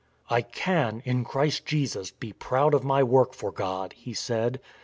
" I can, in Christ Jesus, be proud of my work for God," he said.